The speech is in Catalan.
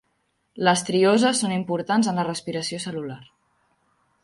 Les trioses són importants en la respiració cel·lular.